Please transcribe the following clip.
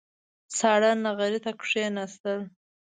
ساړه نغري ته کېناستل.